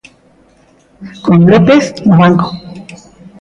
Con López no banco.